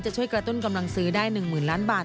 ช่วยกระตุ้นกำลังซื้อได้๑๐๐๐ล้านบาท